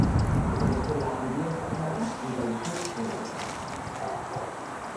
Bestela, hiria ezaguna da ibai-surf dela-eta.